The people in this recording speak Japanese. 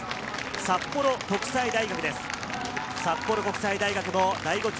札幌国際大学です。